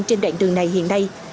trên đoạn đường này hiện nay